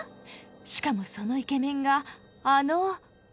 しかもそのイケメンがあの。